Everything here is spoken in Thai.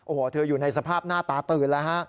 โอ้โหเธออยู่ในสภาพหน้าตาตื่นแล้วฮะ